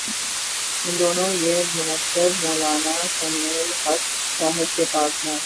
ان دنوں یہ منصب مو لانا سمیع الحق صاحب کے پاس ہے۔